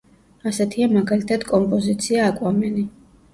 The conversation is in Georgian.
ასეთია მაგალითად კომპოზიცია „აკვამენი“.